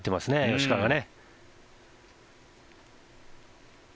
吉川がね。